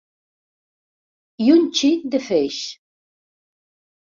I un xic de feix.